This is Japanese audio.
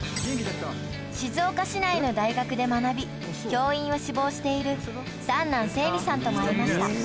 静岡市内の大学で学び教員を志望している三男旋律さんとも会いました